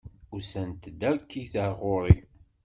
Usant-d akkit ar ɣur-i!